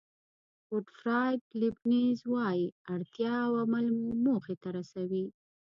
ګوټفراید لیبنېز وایي اړتیا او عمل مو موخې ته رسوي.